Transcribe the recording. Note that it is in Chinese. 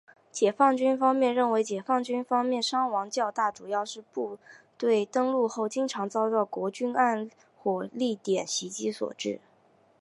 解放军方面认为解放军方面伤亡较大主要是部队登陆后经常遭到国军暗火力点袭击所致。